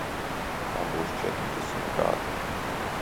Man būs četrdesmit gadi.